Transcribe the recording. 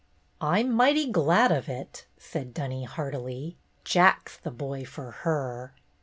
"I'm mighty glad of it," said Dunny, heartily. "Jack's the boy for her."